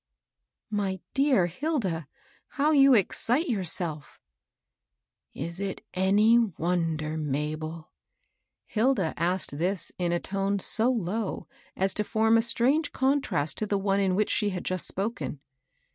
'*" My dear Hilda, how you excite yourself I 'Is it any wonder, Mabel ?" Hilda asked this in a tone so low as to form a strange contrast to the one in which she had just spoken.